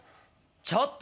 ・ちょっと！